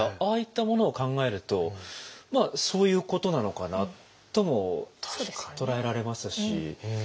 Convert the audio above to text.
ああいったものを考えるとまあそういうことなのかなとも捉えられますし。